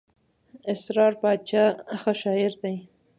اسرار باچا ښه شاعر دئ.